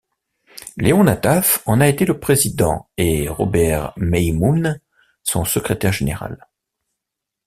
Léon Nataf en a été le président et Robert Meimoun son secrétaire général.